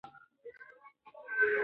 مه ځه، ځکه چې ستا غلي کتل هم درمان دی.